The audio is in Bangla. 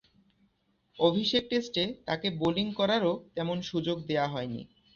অভিষেক টেস্টে তাকে বোলিং করারও তেমন সুযোগ দেয়া হয়নি।